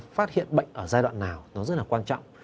phát hiện bệnh ở giai đoạn nào nó rất là quan trọng